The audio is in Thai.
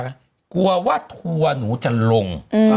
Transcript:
กลัวว่าทัวร์หนูจะลง